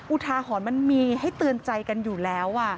อุทาหรณ์มันมีให้เตือนใจกันอยู่แล้ว